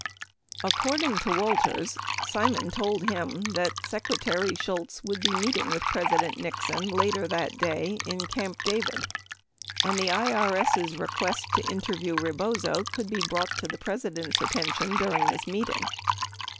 According to Wal ters, Simon told him that Secretary Shultz would be meeting with President Nixon later that day in Camp David and the IRS' request to interview Rebozo could be brought to the President's attention dur ing this meeting.